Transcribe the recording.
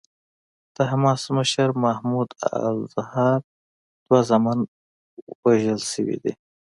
د حماس مشر محمود الزهار دوه زامن وژل شوي دي.